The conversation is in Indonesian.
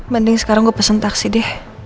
mending sekarang gue pesen taksi deh